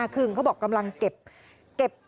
เขาบอกกำลังเก็บเก็บ